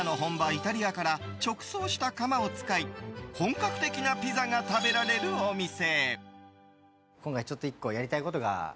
イタリアから直送した窯を使い本格的なピザが食べられるお店。